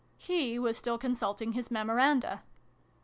He was still consulting his memoranda.